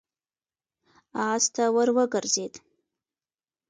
آس ته ور وګرځېد.